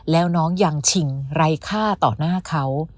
แล้วน้องยังชิงไร้ค่าต่อหน้าเขา